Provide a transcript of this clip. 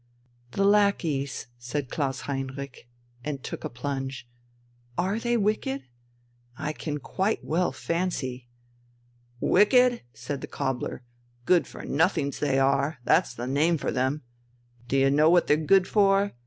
"The lackeys ..." said Klaus Heinrich, and took a plunge ... "are they wicked? I can quite well fancy ..." "Wicked?" said the cobbler. "Good for nothings they are. That's the name for them. Do you know what they're good for?